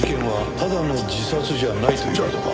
ただの自殺じゃないという事か？